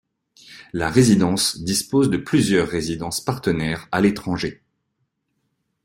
La résidence dispose de plusieurs résidences partenaires à l’étranger.